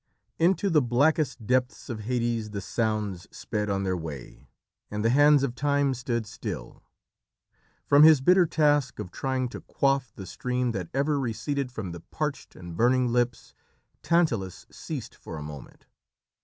Into the blackest depths of Hades the sounds sped on their way, and the hands of Time stood still. From his bitter task of trying to quaff the stream that ever receded from the parched and burning lips, Tantalus ceased for a moment.